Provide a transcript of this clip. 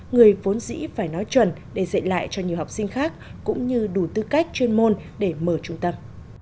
người vốn dĩ phải nói chuẩn để dạy lại cho nhiều học sinh khác cũng như đủ tư cách chuyên môn để mở trung tâm